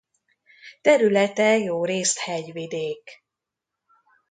Területe jórészt hegyvidék.